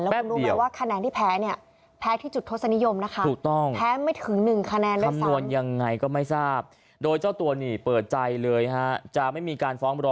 แล้วความดูงกันว่าคะแนนที่แพ้เนี่ย